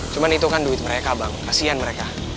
cuma itu kan duit mereka bang kasian mereka